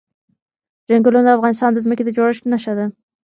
چنګلونه د افغانستان د ځمکې د جوړښت نښه ده.